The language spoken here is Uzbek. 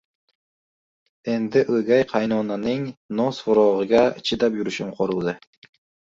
Endi o`gay qaynonaning noz-firog`iga chidab yurishim qoluvdi